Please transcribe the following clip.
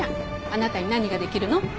あなたに何ができるの？